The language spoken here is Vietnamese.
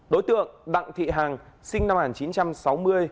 đối tượng đặng thị hằng sinh năm một nghìn chín trăm sáu mươi hộ khẩu thường trú